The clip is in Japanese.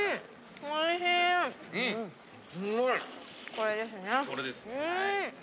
これです。